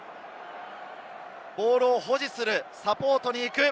ボールを保持する、サポートに行く。